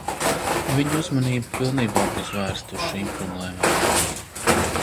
Viņu uzmanība pilnībā būs vērsta uz šīm problēmām.